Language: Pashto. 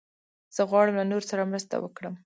زه غواړم له نورو سره مرسته وکړم.